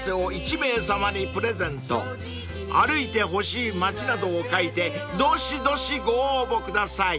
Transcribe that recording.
［歩いてほしい町などを書いてどしどしご応募ください］